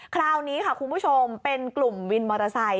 คราวนี้ค่ะคุณผู้ชมเป็นกลุ่มวินมอเตอร์ไซค